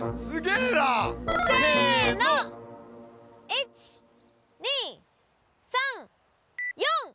１２３４！